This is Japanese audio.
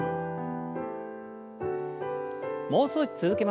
もう少し続けましょう。